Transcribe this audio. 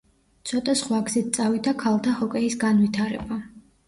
ცოტა სხვა გზით წავიდა ქალთა ჰოკეის განვითრება.